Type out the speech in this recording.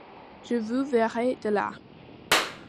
Je vous verrai de là.